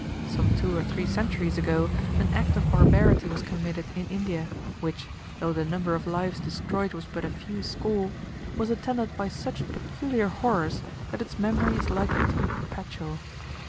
"Some two or three centuries ago an act of barbarity was committed in India, which, though the number of lives destroyed was but a few score, was attended by such peculiar horrors that its memory is likely to be perpetual.